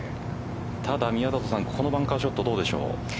ただ、このバンカーショットどうでしょう？